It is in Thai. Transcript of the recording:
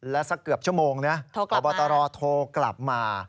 และสักเกือบชั่วโมงนะพบตรโทรกลับมา